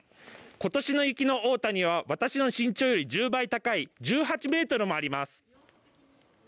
ことしの雪の大谷は私の身長より１０倍高い１８メートルもあります。